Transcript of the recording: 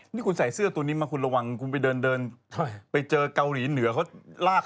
นี่คุณใส่เสื้อตัวนี้มาคุณระวังคุณไปเดินไปเจอเกาหลีเหนือเขาลาก